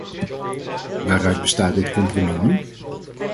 Waaruit bestaat dit compromis nu?